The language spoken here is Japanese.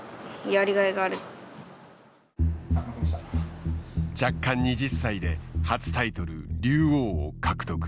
弱冠２０歳で初タイトル竜王を獲得。